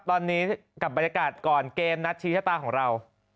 ตอนนี้กับบรรยากาศก่อนเกมนัดชี้ชะตาของเรา